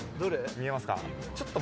見えますか？